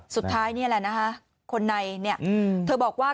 สุดท้ายนี่แหละนะคะคนในเนี่ยเธอบอกว่า